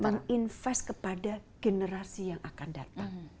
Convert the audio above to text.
menginvest kepada generasi yang akan datang